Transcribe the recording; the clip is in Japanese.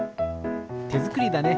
てづくりだね。